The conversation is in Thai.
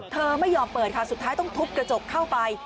เธอไม่ยอมเปิดค่ะสุดท้ายต้องทุบกระจกเข้าไป